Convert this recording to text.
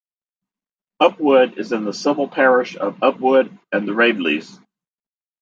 Upwood is in the civil parish of "Upwood and The Raveleys".